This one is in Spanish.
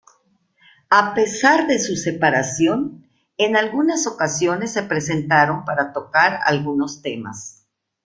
A pesar de su separación, en algunas ocasiones se presentaron para tocar algunos temas.